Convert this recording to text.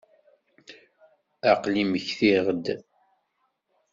Aql-i mmektiɣ-d.